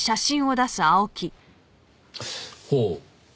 ほう。